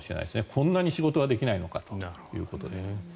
こんなに仕事ができないのかということで。